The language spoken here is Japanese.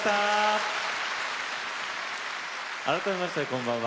改めまして、こんばんは。